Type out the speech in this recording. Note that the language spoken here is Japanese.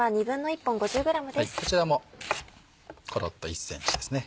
こちらもコロっと１ｃｍですね。